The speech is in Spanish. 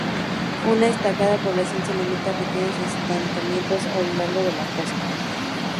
Una escasa población se limita a pequeños asentamientos a lo largo de la costa.